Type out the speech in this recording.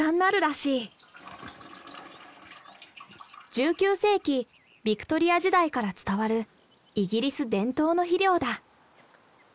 １９世紀ビクトリア時代から伝わるイギリス伝統の肥料だ。